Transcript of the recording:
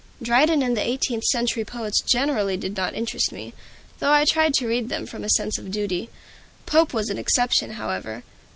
Dryden and the eighteenth century poets generally did not interest me, though I tried to read them from a sense of duty. Pope was an exception, however.